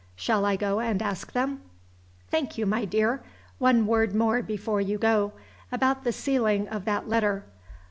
Shall I go and ask them?" "Thank you, my dear. One word more before you go. About the sealing of that letter?